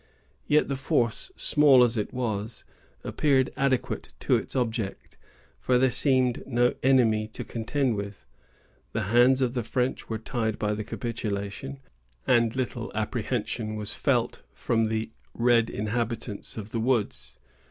Yet the force, small as it was, appeared adequate to its object, for there seemed no enemy to contend with. The hands of the French were tied by the capitulation, and little apprehension was felt from the red inhabitants of the woods.